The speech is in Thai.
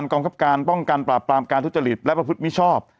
กรรมกรับการกรรมกรับการป้องกันปราบปรามการทุจริตและประพฤติมิชชอบ